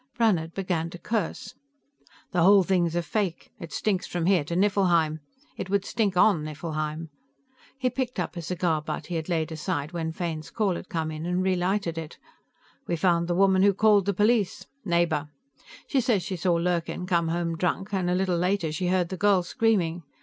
Brannhard began to curse. "The whole thing's a fake; it stinks from here to Nifflheim. It would stink on Nifflheim." He picked up a cigar butt he had laid aside when Fane's call had come in and relighted it. "We found the woman who called the police. Neighbor; she says she saw Lurkin come home drunk, and a little later she heard the girl screaming.